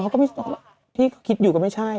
เขาก็ไม่รู้ที่เขาคิดอยู่ก็ไม่ใช่